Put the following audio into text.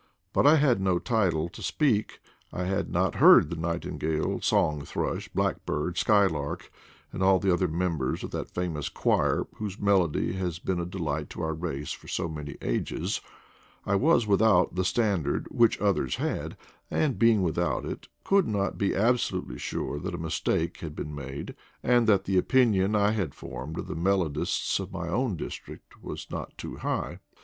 But I had no title to speak; I had not heard the nightingale, song thrush, blackbird, skylark, and all the other members of that famous choir whose melody has been a delight to our race for so many ages; I was without the standard which others had, and being without it, could not be absolutely sure that a mistake had been made, and that the opinion I had formed of the melo dists of my own district was not too high.